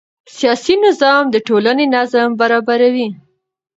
سیاسي نظام د ټولنې نظم برابروي